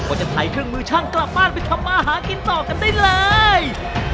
ก็จะถ่ายเครื่องมือช่างกลับบ้านไปทำมาหากินต่อกันได้เลย